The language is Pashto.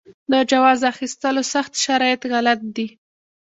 د جواز اخیستلو سخت شرایط غلط دي.